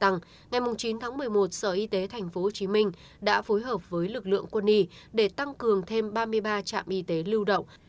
ngày chín tháng một mươi một sở y tế tp hcm đã phối hợp với lực lượng quân y để tăng cường thêm ba mươi ba trạm y tế lưu động